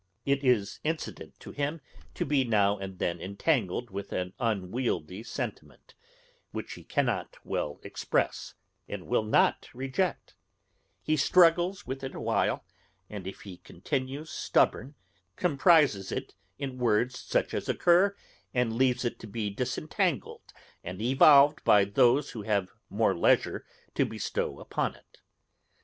It is incident to him to be now and then entangled with an unwieldy sentiment, which he cannot well express, and will not reject; he struggles with it a while, and if it continues stubborn, comprises it in words such as occur, and leaves it to be disentangled and evolved by those who have more leisure to bestow upon it.